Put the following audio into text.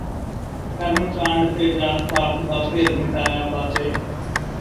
ਕਰਮ ਕਾਂਡ ਤੇ ਜ਼ਾਤ ਪਾਤ ਦਾ ਭੇਦ ਮਿਟਾਇਆ ਬਾਬੇ